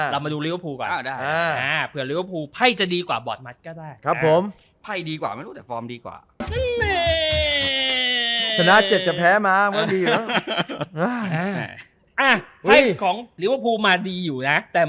แล้วเขามีเกมต่อไปเจอมัตลิต